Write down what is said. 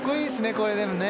これでもね。